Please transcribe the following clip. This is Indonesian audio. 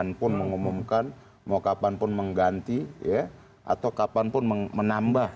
kapanpun mengumumkan mau kapanpun mengganti ya atau kapanpun menambah